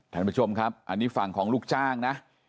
ท่านผู้ชมครับอันนี้ฝั่งของลูกจ้างนะ